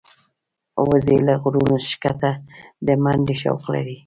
وزې له غرونو ښکته د منډې شوق لري